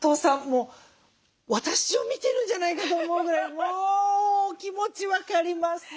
もう私を見てるんじゃないかと思うぐらいもうお気持ち分かります。